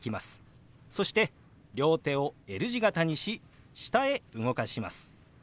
そして両手をＬ字形にし下へ動かします。